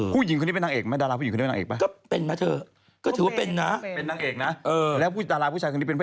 ผู้หญิงคนนี้เป็นนางเอกไหมดาราผู้หญิงคนนี้นางเอกป่ะ